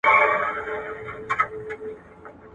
په قلم خط لیکل د ذهني زوال مخه نیسي.